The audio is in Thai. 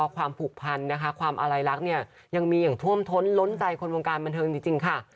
ความผูกพันนะคะความอาลัยรักเนี่ยยังมีอย่างท่วมท้นล้นใจคนวงการบันเทิงจริงค่ะ